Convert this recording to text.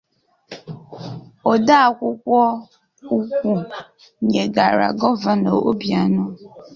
ode akwụkwọ ukwu nyegara Gọvanọ Obianọ